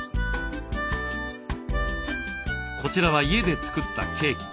こちらは家で作ったケーキ。